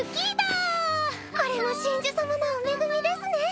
これも神樹様のお恵みですね。